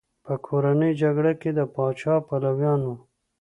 په کورنۍ جګړه کې د پاچا پلویان وو.